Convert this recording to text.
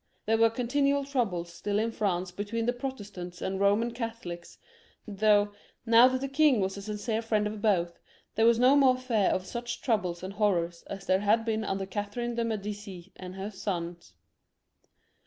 There were continual troubles still in France between the Protestants and Soman Catholics, though, now that the king was a sincere Mend of both, there was no more fear of such troubles and honors as there had been under Catherine of Medids and her sons.